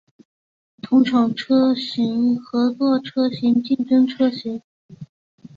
同厂车型合作车型竞争车型